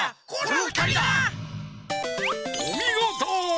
おみごと！